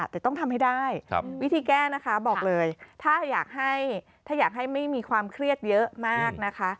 แต่ต้องทำให้ได้วิธีแก้นะคะบอกเลยถ้าอยากให้ไม่มีความเครียดเยอะมากนะคะ